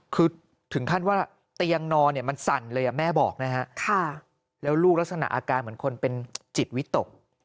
คือถึงขั้นว่าเตียงนอนเนี่ยมันสั่นเลยแม่บอกนะฮะแล้วลูกลักษณะอาการเหมือนคนเป็นจิตวิตก